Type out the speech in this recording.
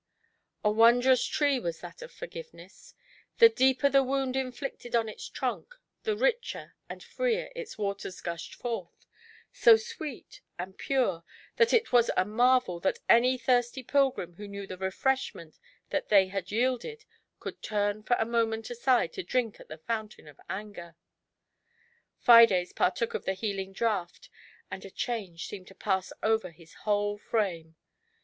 A wondrous tree was that of Forgiveness; the deeper the wound inflicted on its trunk, the richer and freer its waters gushed foith, so sweet and pure, that it was a marvel that any thirsty pilgrim who knew the refresh ment that they yielded could turn for a moment aside to drink at the fountain of Anger. Fides partook of the healing jlraught, and a change seemed to pass over his whole frame.